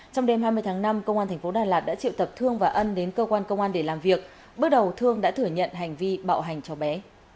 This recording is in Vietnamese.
trong đêm hai mươi tháng năm công an tp đà lạt đã triệu tập thương và ân đến cơ quan công an để làm việc bước đầu thương đã thừa nhận hành vi bạo hành cháu bé